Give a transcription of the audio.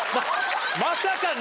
まさかの！